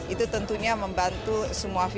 itu tentunya membantu semua pihak